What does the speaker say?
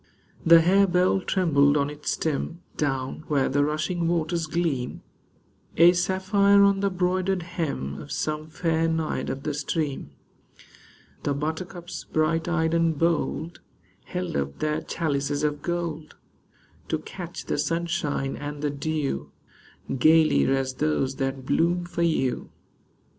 The harebell trembled on its stem Down where the rushing waters gleam, A sapphire on the broidered hem Of some fair Naiad of the stream. The buttercups, bright eyed and bold, Held up their chalices of gold To catch the sunshine and the dew, Gayly as those that bloom for you.